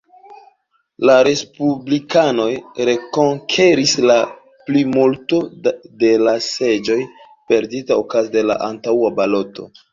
La respublikanoj rekonkeris la plimulto, de la seĝoj perditaj okaze de la antaŭa baloto.